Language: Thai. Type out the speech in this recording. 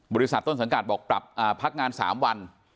บริษัทต้นสังกัดบอกปรับพักงาน๓วัน